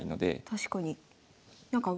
確かに。